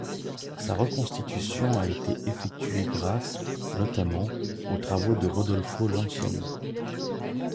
Sa reconstitution a été effectuée grâce, notamment, aux travaux de Rodolfo Lanciani.